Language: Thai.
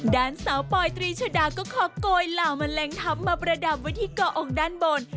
ด้านสาวปอยตรีชดาก็ขอโกยเหล่าแมลงทัพมาประดับไว้ที่เกาะองค์ด้านบน